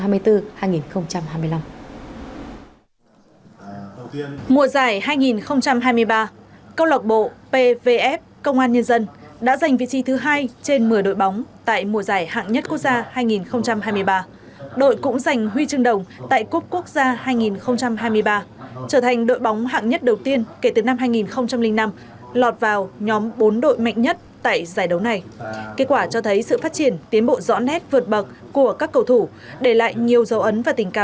mùa giải hai nghìn hai mươi ba công lực bộ pvf công an nên dân đã giành vị trí thứ hai trên một mươi đồng